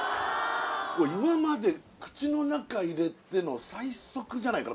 これ今まで口の中入れての最速じゃないかな